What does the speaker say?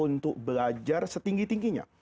untuk belajar setinggi tingginya